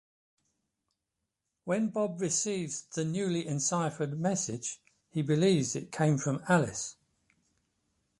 When Bob receives the newly enciphered message, he believes it came from Alice.